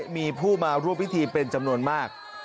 มีผู้มาร่วมพิธีเป็นจำนวนมาก